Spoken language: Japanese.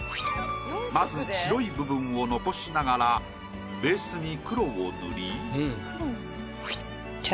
まず白い部分を残しながらベースに黒を塗り。